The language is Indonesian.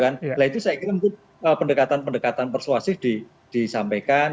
nah itu saya kira mungkin pendekatan pendekatan persuasif disampaikan